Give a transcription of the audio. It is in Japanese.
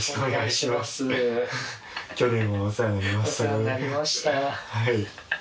お世話になりました。